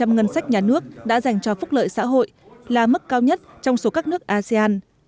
hai mươi một ngân sách nhà nước đã dành cho phúc lợi xã hội là mức cao nhất trong số các nước asean